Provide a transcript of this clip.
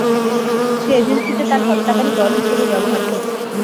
সে এজেন্সিকে তার হত্যাকারী দল হিসেবে ব্যবহার করছে।